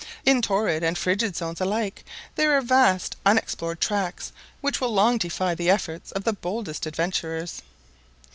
In Torrid and Frigid Zones alike there are vast unexplored tracts which will long defy the efforts of the boldest adventurers."